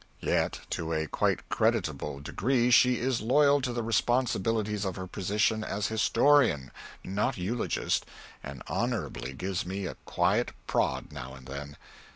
Yet to a quite creditable degree she is loyal to the responsibilities of her position as historian not eulogist and honorably gives me a quiet prod now and then.